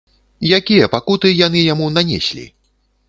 Якія пакуты яны яму нанеслі?